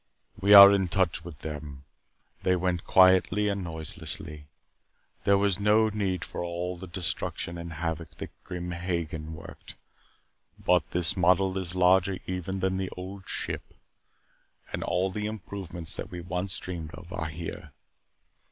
We are in touch with them. They went quietly and noiselessly. There was no need for all the destruction and havoc that Grim Hagen worked. But this model is larger even than the Old Ship, and all the improvements that we once dreamed of are here.